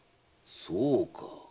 そうか。